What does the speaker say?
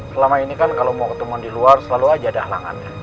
selama ini kan kalau mau ketemuan di luar selalu aja ada halangannya